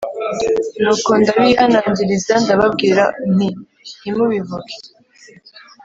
Nuko ndabihanangiriza ndababwira nti ntimubivuge